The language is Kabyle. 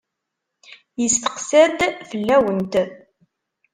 Yesteqsa-d fell-awent.